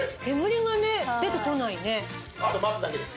あとは待つだけです。